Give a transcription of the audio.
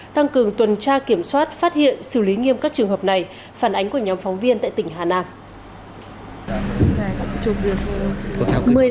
tăng cường tuần tra kiểm soát phát hiện xử lý nghiêm các trường hợp này phản ánh của nhóm phóng viên tại tỉnh hà nam